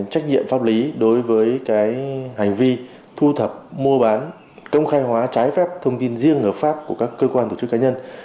trách nhiệm pháp lý đối với hành vi thu thập mua bán công khai hóa trái phép thông tin riêng hợp pháp của các cơ quan tổ chức cá nhân